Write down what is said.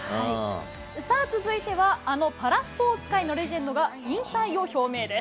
さあ、続いては、あのパラスポーツ界のレジェンドが引退を表明です。